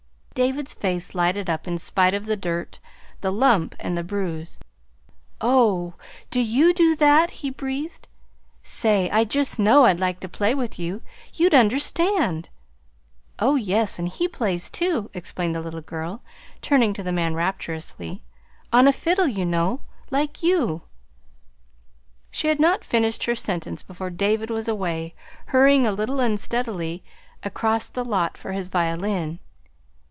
David's face lighted up in spite of the dirt, the lump, and the bruise. "Oh, do you do that?" he breathed. "Say, I just know I'd like to play to you! You'd understand!" "Oh, yes, and he plays, too," explained the little girl, turning to the man rapturously. "On a fiddle, you know, like you." She had not finished her sentence before David was away, hurrying a little unsteadily across the lot for his violin.